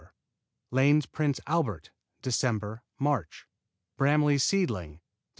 Lane's Prince Albert Dec., Mch. Bramley's Seedling Dec.